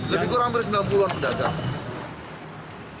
lebih kurang dari sembilan puluh an pedagang